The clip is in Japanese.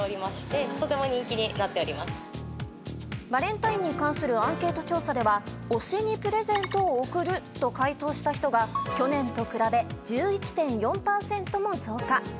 バレンタインに関するアンケート調査では推しにプレゼントを贈ると回答した人が去年と比べ、１１．４％も増加。